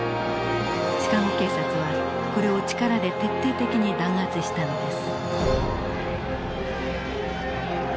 シカゴ警察はこれを力で徹底的に弾圧したのです。